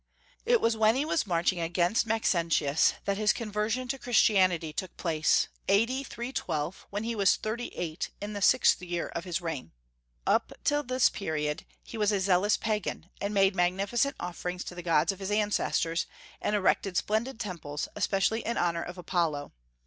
It was when he was marching against Maxentius that his conversion to Christianity took place, A.D. 312, when he was thirty eight, in the sixth year of his reign. Up to this period he was a zealous Pagan, and made magnificent offerings to the gods of his ancestors, and erected splendid temples, especially in honor of Apollo.